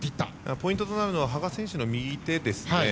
ポイントとなるのは羽賀選手の右手ですね。